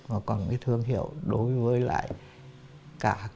mà còn cái thương hiệu đối với lại cả các cái nước